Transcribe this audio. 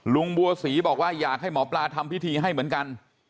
ลุงบัวศรีบอกว่าอยากให้หมอปลาทำพิธีให้เหมือนกัน